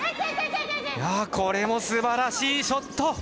これも素晴らしいショット！